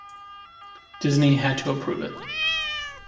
Disney had to approve it.